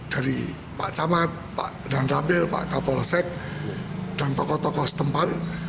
dari pak camat pak dan rabil pak kapolsek dan tokoh tokoh setempat